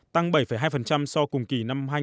tăng bảy hai so cùng kỳ năm hai nghìn một mươi bảy